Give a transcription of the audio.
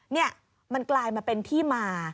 นี่มันกลายมาเป็นที่มา